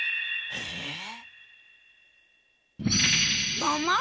えっ。